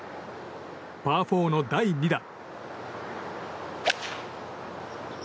パー４の第２打。